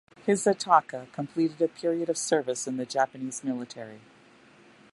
Hisataka completed a period of service in the Japanese military.